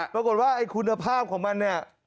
ปรากฏว่าไอ้คุณภาพของมันเนี่ย